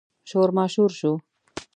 شور ماشور شو.